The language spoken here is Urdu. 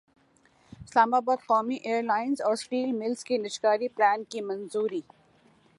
اسلام باد قومی ایئرلائن اور اسٹیل ملزکے نجکاری پلان کی منظوری